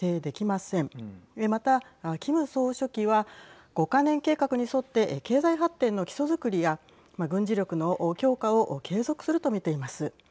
また、キム総書記は５か年計画に沿って経済発展の基礎づくりや軍事力の強化を継続すると見ています。